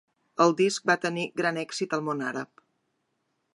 El disc va tenir gran èxit al món àrab.